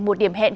một điểm hẹn